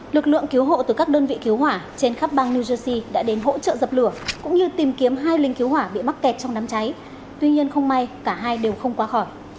lực lượng cứu hộ từ các đơn vị cứu hỏa trên khắp bang nusi đã đến hỗ trợ dập lửa cũng như tìm kiếm hai lính cứu hỏa bị mắc kẹt trong đám cháy tuy nhiên không may cả hai đều không qua khỏi